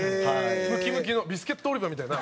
ムキムキのビスケット・オリバみたいな。